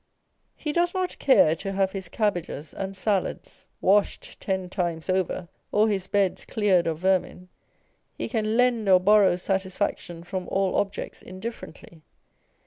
He does not care to have his cabbages and salads Hot and Cold. 215 washed ten times over, or Lis beds cleared of vermin : lie can lend or borrow satisfaction from all objects indiffer ently.